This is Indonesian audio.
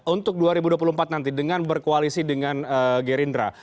untuk dua ribu dua puluh empat nanti dengan berkoalisi dengan gerindra